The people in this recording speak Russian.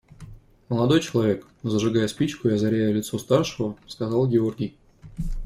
Молодой человек, – зажигая спичку и озаряя лицо старшего, сказал Георгий.